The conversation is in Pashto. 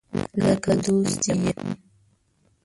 لکه دوست دي یم